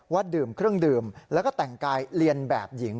ดื่มเครื่องดื่มแล้วก็แต่งกายเรียนแบบหญิง